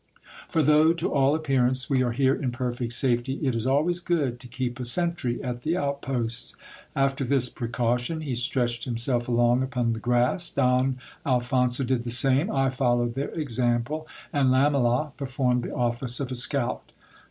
For though, to all appearance, we are here in perfect safety, it is always good to keep a sentry at the out posts. After this precaution he stretched himself along upon the grass. Don Alphonso cid the same. I followed their example, and Lamela performed the office of a scout.